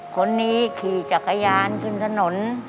คนนี้ขี่จากขยาน